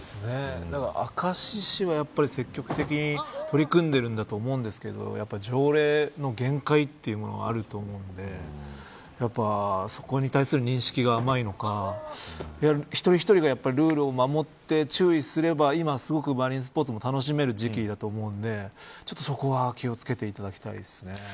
明石市は積極的に取り組んでいるんだと思うんですけど条例の限界というものがあると思うのでやっぱりそこに対する認識が甘いのか一人一人がルールを守って注意すれば、今すごくマリンスポーツも楽しめる時期だと思うのでちょっとそこは気を付けていただきたいですね。